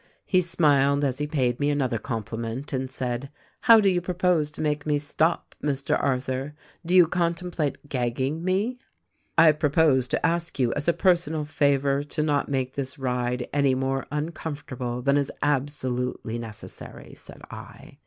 "He smiled as he paid me another compliment and said, 'How do you propose to make me stop, Mr. Arthur. Do you contemplate gagging me ?'" 'I propose to ask you as a personal favor to not make this ride any more uncomfortable than is absolutely neces sary,' said I.